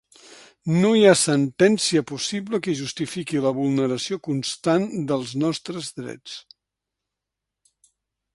No hi ha sentència possible que justifiqui la vulneració constant dels nostres drets.